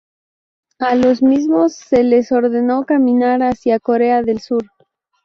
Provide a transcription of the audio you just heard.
A los mismos se les ordenó caminar hacia Corea del Sur.